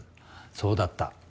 そうだった。